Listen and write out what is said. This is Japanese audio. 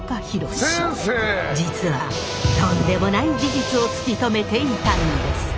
実はとんでもない事実を突き止めていたんです。